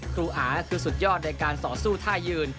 อาคือสุดยอดในการต่อสู้ท่ายืน